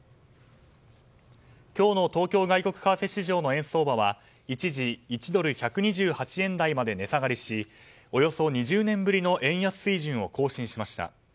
今日の東京外国為替市場の円相場は一時１ドル＝１２８円台まで値下がりしおよそ２０年ぶりの円安水準を更新しました。